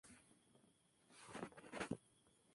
La sede del condado es Cheyenne.